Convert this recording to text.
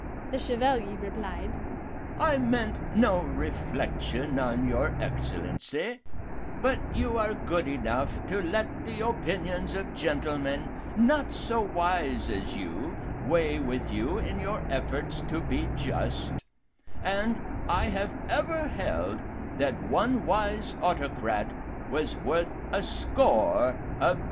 To this the Chevalier replied, 'I meant no reflection on your Excellency, but you are good enough to let the opinions of gentlemen not so wise as you weigh with you in your efforts to be just; and I have ever held that one wise autocrat was worth a score of juries.